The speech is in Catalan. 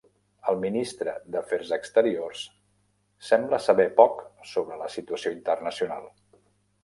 El ministre d'afers exteriors sembla saber poc sobre la situació internacional.